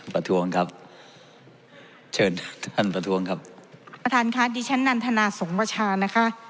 ประท้วงครับเชิญท่านประท้วงครับประธานค่ะดิฉันนันทนาสงประชานะคะ